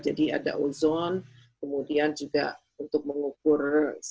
jadi ada ozon kemudian juga untuk mengukur co dua kemudian juga untuk mengukur co dua